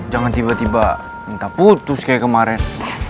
jangan tiba tiba minta putus kayak kemarin